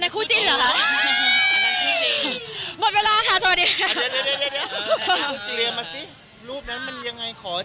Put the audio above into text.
คริก